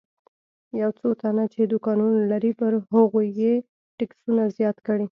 یو څو تنه چې دوکانونه لري پر هغوی یې ټکسونه زیات کړي.